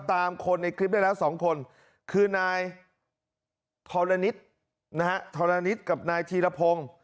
ตามคนในคลิปได้แล้ว๒คนคือนายธรณิตนะฮะธรณิตกับนายธีรพงศ์